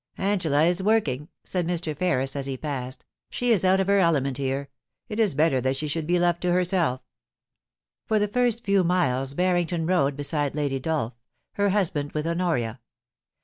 ' Angela is working,' said Mr. Ferris, as he passed. " She is out of her element here: It is better that she should be left to herself' For the first few miles Harrington rode beside Lady Dolph ; her husband with Honoria.